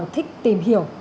thích tìm hiểu